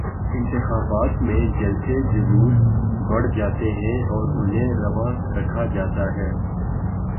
انتخابات میں جلسے جلوس بڑھ جاتے ہیں اور انہیں روا رکھا جاتا ہے۔